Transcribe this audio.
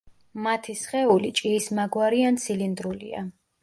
მათი სხეული ჭიისმაგვარი ან ცილინდრულია.